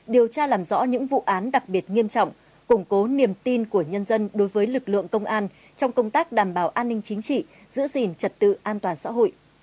điều tra làm rõ những vụ án đặc biệt nghiêm trọng củng cố niềm tin của nhân dân đối với lực lượng công an trong công tác đảm bảo an ninh chính trị giữ gìn trật tự an toàn xã hội